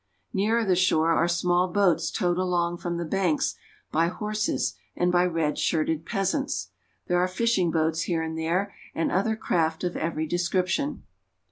Nearer the shore are small boats towed along from the banks by horses and by red shirted peasants ; there are fishing boats here and there, and other craft of every description.